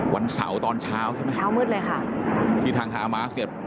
วันเสาร์ตอนเช้าใช่ไหมเช้ามืดเลยค่ะที่ทางฮามาสเนี่ย